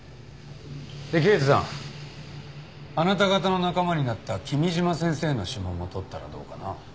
刑事さんあなた方の仲間になった君嶋先生の指紋も採ったらどうかな？